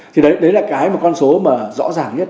thì đấy là cái mà con số mà rõ ràng nhất